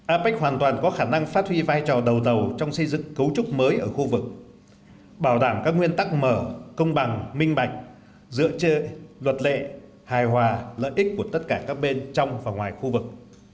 apec hoàn toàn có khả năng phát huy vai trò đầu tàu trong xây dựng cấu trúc mới ở khu vực bảo đảm các nguyên tắc mở công bằng minh bạch dựa trên luật lệ hài hòa lợi ích của tất cả các bên trong và ngoài khu vực